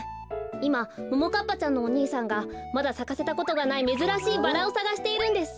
いまももかっぱちゃんのお兄さんがまださかせたことがないめずらしいバラをさがしているんです。